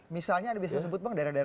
misalnya anda bisa sebut bang daerah daerah